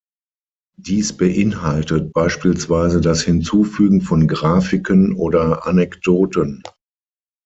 Dies beinhaltet beispielsweise das Hinzufügen von Grafiken oder Anekdoten.